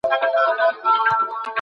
د ملت او خاورې ترمنځ.